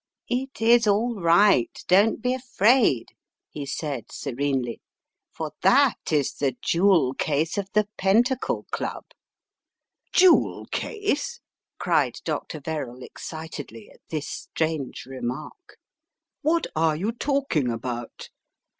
"It is all right, don't be afraid," he said, serenely. "For that is the jewel case of the Pentacle Club." "Jewel case! " cried Dr. Verrall, excitedly, at this strange remark. "What are you talking about?